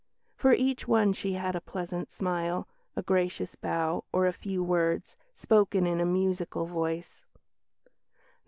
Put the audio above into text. For each one she had a pleasant smile, a gracious bow, or a few words, spoken in a musical voice."